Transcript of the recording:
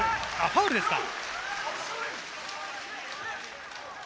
ファウルですか？